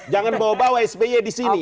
jangan bawa bawa sby di sini